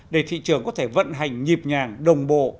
để thị trường có thể vận hành nhịp nhàng đồng bộ